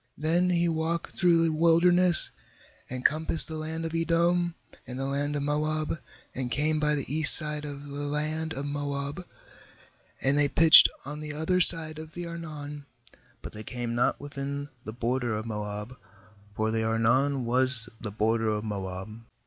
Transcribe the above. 18Then he walked through the wilderness, and compassed the land of Edom, and the land of Moab, and came by the east side of the land of Moab, and they pitched on the other side of the Arnon, but they came not within the border of Moab, for the Arnon was the border of Moab.